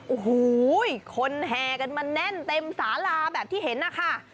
โอ้โหคนแห่กันมาแน่นเต็มสาลาแบบที่เห็นนะคะ